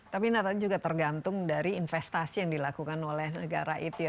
tapi nanti juga tergantung dari investasi yang dilakukan oleh negara itu ya